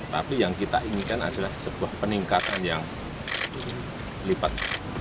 tapi yang kita inginkan adalah sebuah peningkatan yang lipat